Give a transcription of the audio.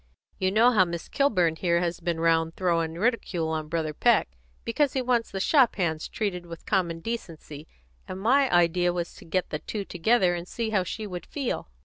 You know how Miss Kilburn here has been round throwing ridicule on Brother Peck, because he wants the shop hands treated with common decency, and my idea was to get the two together and see how she would feel."